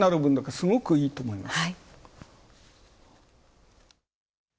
すごくいいと思います。